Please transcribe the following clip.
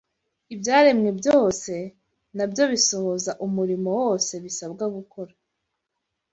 Ibyaremwe byose na byo bisohoza umurimo wose bisabwa gukora